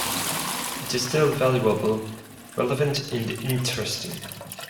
It is still valuable, relevant and interesting.